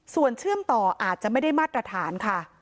ส่วนเชื่อมต่ออาจจะไม่ได้มาตรฐานค่ะ